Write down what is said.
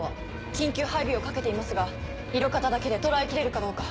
緊急配備をかけていますが色形だけで捉え切れるかどうか。